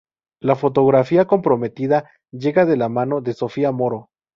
La fotografía comprometida llega de la mano de Sofía Moro.